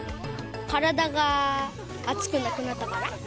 体が熱くなくなったから。